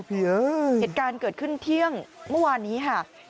โอ้พี่เอ้ยเหตุการณ์เกิดขึ้นเที่ยงเมื่อวานนี้ค่ะ